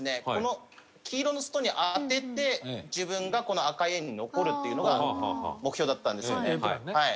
この黄色のストーンに当てて自分がこの赤い円に残るっていうのが目標だったんですよね。